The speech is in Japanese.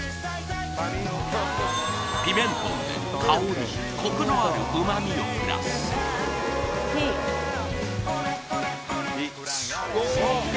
ピメントンで香りコクのある旨みをプラスＯＫ